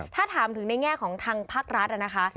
ถ้าถามถึงในแง่ของทางภาครัฐนะคะ